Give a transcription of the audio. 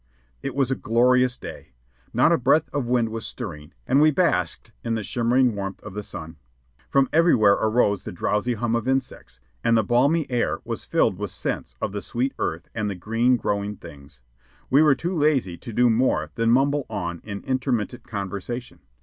It was a glorious day. Not a breath of wind was stirring, and we basked in the shimmering warmth of the sun. From everywhere arose the drowsy hum of insects, and the balmy air was filled with scents of the sweet earth and the green growing things. We were too lazy to do more than mumble on in intermittent conversation.